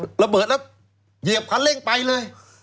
ระเบิดแล้วเหยียบคันเร่งไปเลย